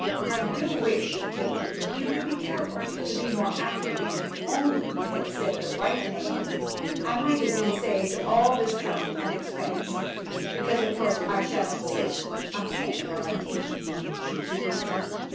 I do wish, dear, you would be careful to be more accurate; if only you had said the right name I might have been saved all this trouble—and expense, because of course I shall insist on paying for our tea——" (she didn't though!)